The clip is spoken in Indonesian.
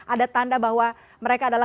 ada tanda bahwa mereka adalah